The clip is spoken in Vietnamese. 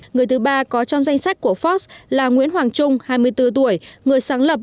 người thứ ba có trong danh sách của fort là nguyễn hoàng trung hai mươi bốn tuổi người sáng lập